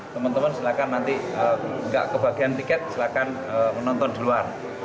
teman teman silahkan nanti nggak kebagian tiket silahkan menonton di luar